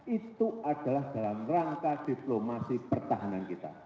itu adalah dalam rangka diplomasi pertahanan kita